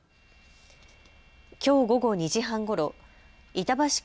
きょう午後２時半ごろ板橋区